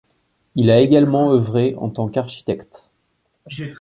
Il a également œuvré en tant qu'architecte.